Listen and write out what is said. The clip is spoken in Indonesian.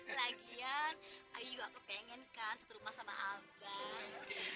lagian ayu gak kepengen kan satu rumah sama abang